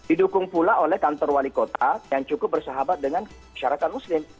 didukung pula oleh kantor wali kota yang cukup bersahabat dengan masyarakat muslim